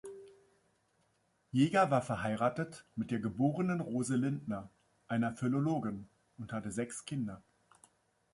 Jaeger war verheiratet mit der geborenen Rose Lintner, einer Philologin, und hatte sechs Kinder.